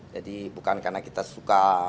jadi bukan karena kita suka